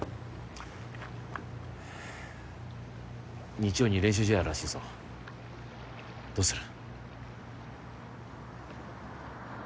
日曜に練習試合あるらしいぞどうする？